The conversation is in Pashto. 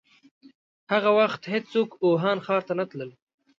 هغه وخت هيڅوک ووهان ښار ته نه تلل.